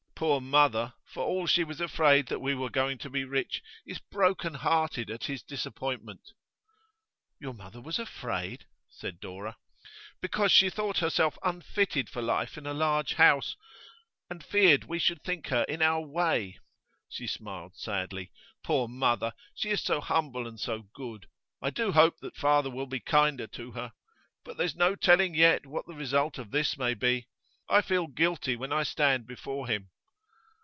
Poor mother! for all she was afraid that we were going to be rich, is broken hearted at his disappointment.' 'Your mother was afraid?' said Dora. 'Because she thought herself unfitted for life in a large house, and feared we should think her in our way.' She smiled sadly. 'Poor mother! she is so humble and so good. I do hope that father will be kinder to her. But there's no telling yet what the result of this may be. I feel guilty when I stand before him.